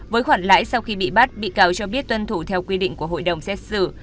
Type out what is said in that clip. với khoản lãi sau khi bị bắt bị cáo cho biết tuân thủ theo quy định của hội đồng xét xử